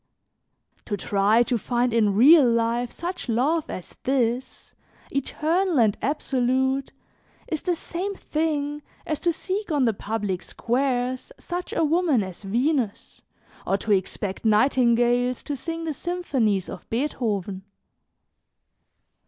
"To try to find in real life such love as this, eternal and absolute, is the same thing as to seek on the public squares such a woman as Venus or to expect nightingales to sing the symphonies of Beethoven.